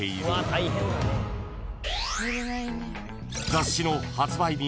［雑誌の発売日